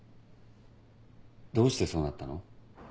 どうしてそうなったの？